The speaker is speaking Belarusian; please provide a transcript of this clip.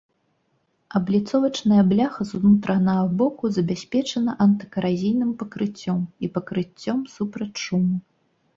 Абліцовачная бляха з унутранага боку забяспечана антыкаразійным пакрыццём і пакрыццём супраць шуму.